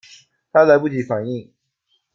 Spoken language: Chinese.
她来不及反应